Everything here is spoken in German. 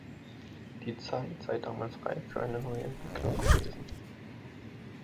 Die Zeit sei damals reif für eine neue Entwicklung gewesen.